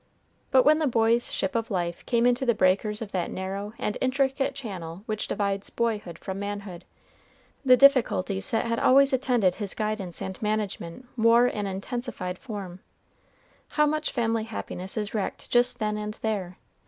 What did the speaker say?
But when the boy's ship of life came into the breakers of that narrow and intricate channel which divides boyhood from manhood, the difficulties that had always attended his guidance and management wore an intensified form. How much family happiness is wrecked just then and there!